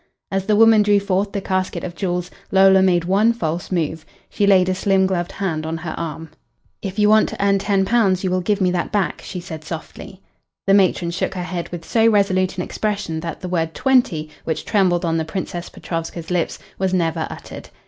As the woman drew forth the casket of jewels Lola made one false move. She laid a slim gloved hand on her arm. "If you want to earn ten pounds you will give me that back," she said softly. The matron shook her head with so resolute an expression that the word "twenty," which trembled on the Princess Petrovska's lips, was never uttered.